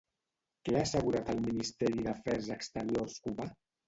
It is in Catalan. Què ha assegurat el Ministeri d'Afers exteriors cubà?